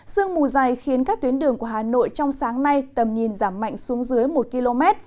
sương mù dày khiến các tuyến đường của hà nội trong sáng nay tầm nhìn giảm mạnh xuống dưới một km